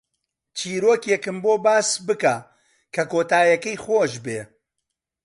چیرۆکێکم بۆ باس بکە کە کۆتایییەکەی خۆش بێت.